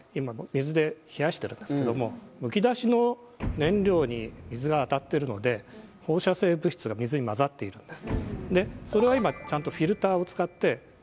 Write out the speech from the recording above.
むき出しの燃料に水が当たってるので放射性物質が水に混ざっているんです。